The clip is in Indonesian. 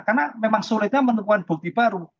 karena memang sulitnya menemukan bukti baru